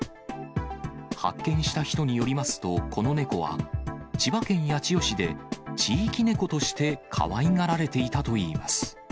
発見した人によりますと、この猫は、千葉県八千代市で、地域猫としてかわいがられていたといいます。